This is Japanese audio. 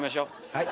はい。